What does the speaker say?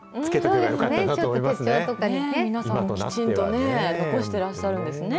皆さん、きちんとね、残してらっしゃるんですね。